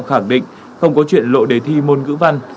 khẳng định không có chuyện lộ đề thi môn ngữ văn